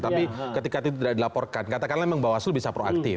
tapi ketika tidak dilaporkan katakanlah memang bawaslu bisa proaktif